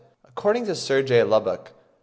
According to Sir J. Lubbock (6.